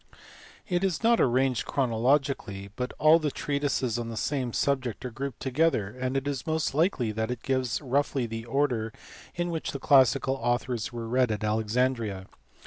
It is not arranged chronologically, but all the treatises on the same subject PAPPUS. 101 are grouped together, and it is most likely that it gives roughly the order in which the classical authors were read at Alexandria.